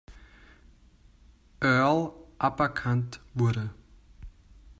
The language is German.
Earl aberkannt wurde.